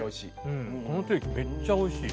このステーキめっちゃおいしい。